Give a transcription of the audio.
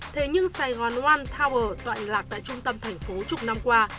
thế nhưng sài gòn loan tower toạn lạc tại trung tâm thành phố chục năm qua